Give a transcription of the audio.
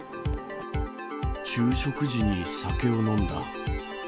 昼食時に酒を飲んだ。